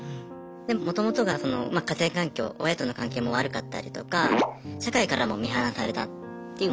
でももともとがその家庭環境親との関係も悪かったりとか社会からも見放されたって思っていて。